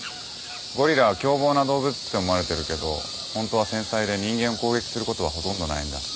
ゴリラは凶暴な動物って思われてるけどホントは繊細で人間を攻撃することはほとんどないんだ。